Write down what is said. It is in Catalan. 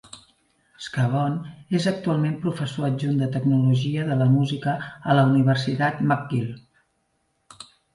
Scavone és actualment professor adjunt de tecnologia de la música a la universitat McGill.